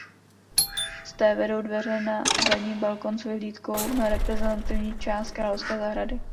Z té vedou dveře na zadní balkón s vyhlídkou na reprezentativní část královské zahrady.